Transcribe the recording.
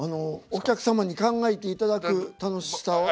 お客様に考えていただく楽しさを。